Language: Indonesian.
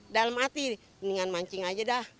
dalam hati mendingan mancing aja dah